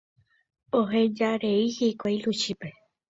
Ohejarei hikuái Luchípe.